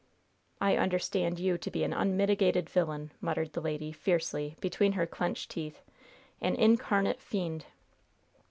"I understand you to be an unmitigated villain!" muttered the lady, fiercely, between her clenched teeth "an incarnate fiend!"